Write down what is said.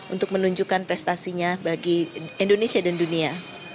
untuk menunjukkan prestasinya bagi indonesia dan dunia